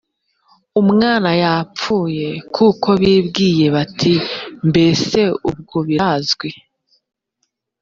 umwana yapfuye kuko bibwiye bati mbese ubwo birazwi